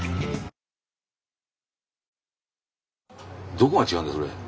どこが違うんだそれ。